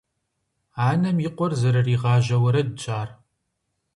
Анэм и къуэр зэрыригъажьэ уэрэдщ ар.